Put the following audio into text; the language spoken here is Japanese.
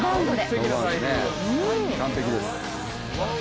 完璧です。